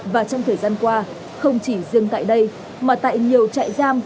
và trong thời gian qua không chỉ riêng tại đây mà tại nhiều trại giam